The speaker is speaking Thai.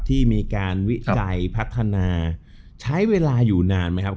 ที่มีการวิจัยพัฒนาใช้เวลาอยู่นานไหมครับ